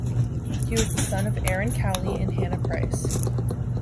He was the son of Aaron Cowley and Hannah Price.